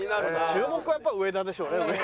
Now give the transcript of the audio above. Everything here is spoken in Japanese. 注目はやっぱ植田でしょうね。